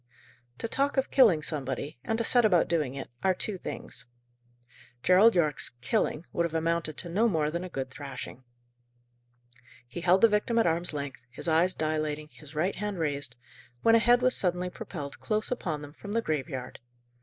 To talk of killing somebody, and to set about doing it, are two things. Gerald Yorke's "killing" would have amounted to no more than a good thrashing. He held the victim at arm's length, his eyes dilating, his right hand raised, when a head was suddenly propelled close upon them from the graveyard.